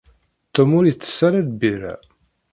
Tom ur itess ara lbira.